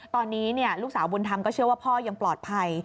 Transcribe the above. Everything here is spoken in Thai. ตอนนี้ลูกสาวบุญธรรมก็เชื่อว่าพ่อยังปลอดภัย